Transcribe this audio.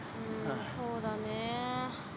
そうだね。